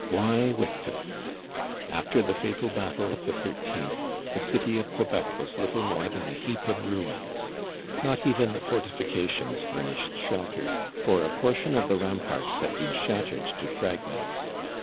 Vae vicHs! After the fatal battle of the 13th the city of Quebec was little more than a heap of ruins. Not even the fortifications furnished shelter, for a por tion of the ramparts had been shattered to fragments.